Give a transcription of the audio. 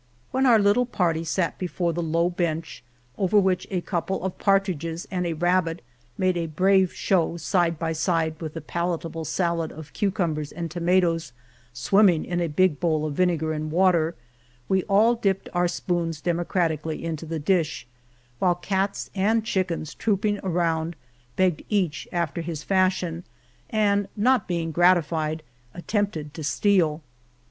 When our little party sat before the low bench, over which a couple of partridges and a rabbit made a brave show side by side with the palatable salad of cucumbers and tomatoes swimming in a big bowl of vinegar and water, we all dipped our spoons demo cratically into the dish, while cats and chick 228 Venta de Cardenas ens, trooping around, begged, each after his fashion, and not being gratified, attempted to steal.